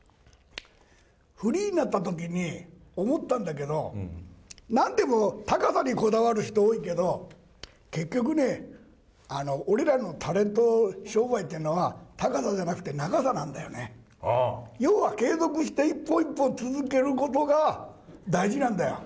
フリーになったときに思ったんだけど、なんでも高さにこだわる人多いけど、結局ね、俺らのタレント商売ってのは、高さじゃなくて長さなんだよね。要は継続して一本一本続けることが大事なんだよ。